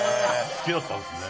好きだったんですね。